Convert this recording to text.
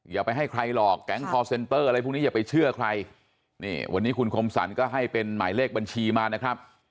อย่าไปให้ใครหรอกแก๊งคอร์เซ็นเตอร์อะไรพวกนี้อย่าไปเชื่อใครนี่วันนี้คุณคมสรรก็ให้เป็นหมายเลขบัญชีมานะครับ